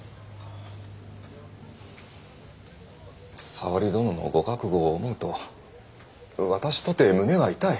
沙織殿のご覚悟を思うと私とて胸は痛い。